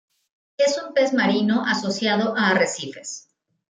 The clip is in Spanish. Es un pez marino, asociado a arrecifes.